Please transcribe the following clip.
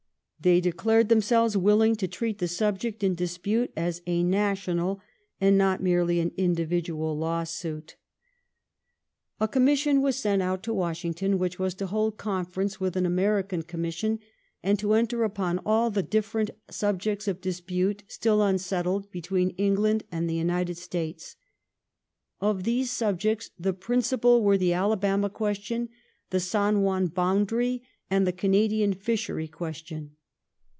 . They declared themselves willing to treat the subject in dispute as a national and not merely an individual lawsuit. 296 THE STORY OF GLADSTONE'S LIFE A commission was sent out to Washington which was to hold conference with an American commission, and to enter upon all the different subjects of dispute still unsettled between Eng land and the United States. Of these subjects the principal were the Alabama question, the San Juan boundary, and the Canadian Fishery ques tion.